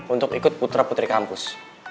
untuk ikut putra putri kampus